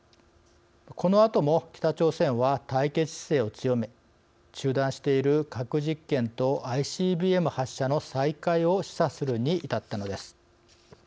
このあとも北朝鮮は対決姿勢を強め中断している核実験とＩＣＢＭ発射の再開を示唆するに至ったのです。